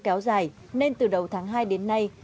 kéo dài nên từ đầu tháng hai đến nay